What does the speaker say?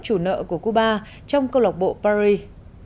chủ nợ của cuba trong cơ lộc bộ paris